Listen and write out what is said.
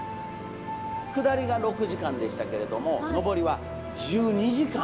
下りが６時間でしたけれども上りは１２時間。